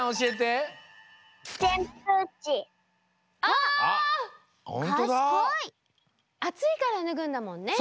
あついからぬぐんだもんね。